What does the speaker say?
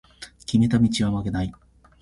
決めた道は曲げない